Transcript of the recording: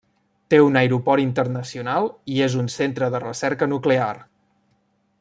Té un aeroport internacional i és un centre de recerca nuclear.